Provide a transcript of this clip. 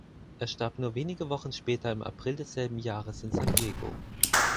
Er starb nur wenige Wochen später im April desselben Jahres in San Diego.